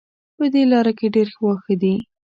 په دې لاره کې ډېر واښه دي